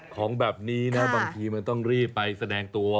ของแบบนี้นะบางทีมันต้องรีบไปแสดงตัว